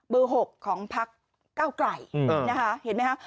๖ของพักเก้าไกลนะคะเห็นไหมคะ